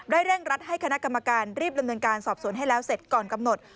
เร่งรัดให้คณะกรรมการรีบดำเนินการสอบสวนให้แล้วเสร็จก่อนกำหนด